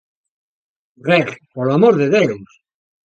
Reg, polo amor de Deus!